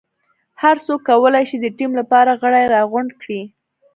هر څوک کولای شي د ټیم لپاره غړي راغونډ کړي.